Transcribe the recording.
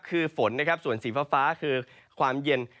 คือฝนนะครับส่วนสีฟ้าคือความเย็น